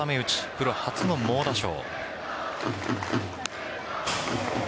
プロ初の猛打賞。